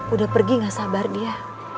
udah pergi gak sabar dia